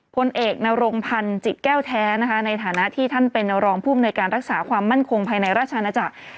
พลเอกนรงพันธ์จิตแก้วแท้นะคะในฐานะที่ท่านเป็นรองผู้อำนวยการรักษาความมั่นคงภายในราชนาจักร